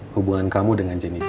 hubungan kamu dengan jennifer